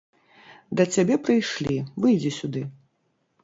Да цябе прыйшлі, выйдзі сюды!